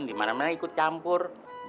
di mana mana ikut campur